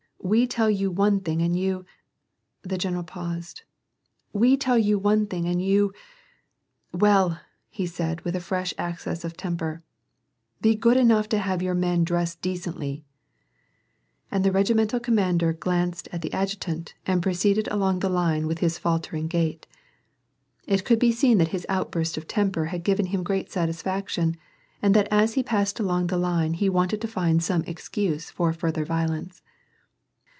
We tell you one thing and you" — The general paused. " We tell you one thing and you — well !" said he, with a fresh access of temper, " Be good enough to have your men dressed decently "— And the regimental commander glanced at the adjutant and proceeded along the line with his faltering gait. It could be seen that his outburst of temper had given him great satis< faction, and that as he passed along the line he wanted to iind some excuse for further violence.